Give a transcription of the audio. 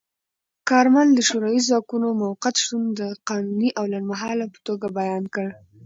کارمل د شوروي ځواکونو موقت شتون د قانوني او لنډمهاله په توګه بیان کړ.